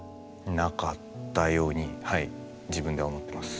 なかったようにはい自分では思ってます。